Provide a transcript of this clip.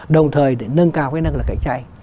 đồng thời để nâng cao cái năng lực cảnh chạy